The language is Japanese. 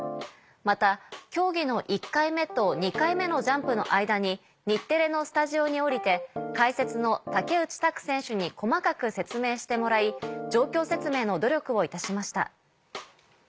また競技の１回目と２回目のジャンプの間に日テレのスタジオに下りて解説の竹内択選手に細かく説明してもらい状況説明の努力をいたしました」。